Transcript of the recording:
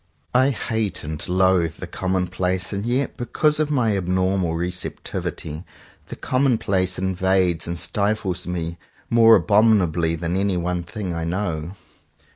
I hate and loathe the commonplace; and yet because of my abnormal receptivity, the commonplace invades and stifles me more abominably than any one thing I know.